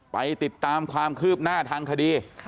ไปติดตามความคืบหน้าทางคดี